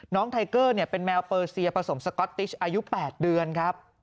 ไทเกอร์เป็นแมวเปอร์เซียผสมสก๊อตติชอายุ๘เดือนครับ